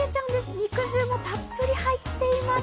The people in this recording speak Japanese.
肉汁もたっぷり入ってます。